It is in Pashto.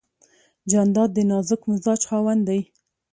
جانداد د نازک مزاج خاوند دی.